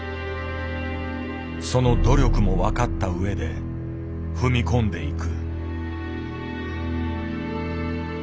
その努力も分かった上で踏み込んでいく。